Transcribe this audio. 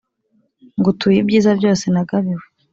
Ngutuye ibyiza byose nagabiwe